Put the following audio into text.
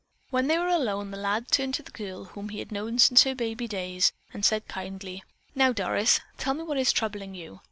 When they were alone the lad turned to the girl, whom he had known since her baby days, and he said kindly: "Now, Doris, tell me what is troubling you.